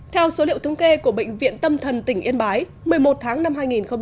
theo số liệu thống kê của bệnh viện tâm thần tỉnh yên bái một mươi một tháng năm hai nghìn một mươi chín